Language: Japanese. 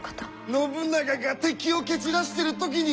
信長が敵を蹴散らしてる時に！